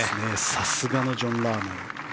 さすがのジョン・ラーム。